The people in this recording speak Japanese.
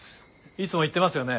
いつも言ってますよね？